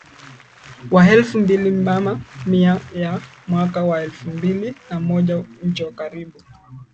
wa elfu mbili Mama Mia ya mwaka wa elfu mbili na moja Njo Karibu